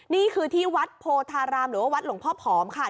นี่คือที่วัดโพธารามหรือว่าวัดหลวงพ่อผอมค่ะ